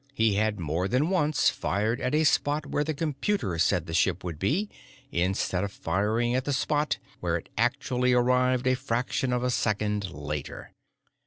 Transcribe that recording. He had more than once fired at a spot where the computer said the ship would be instead of firing at the spot where it actually arrived a fraction of a second later.